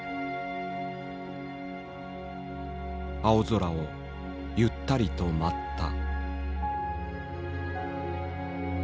青空をゆったりと舞った。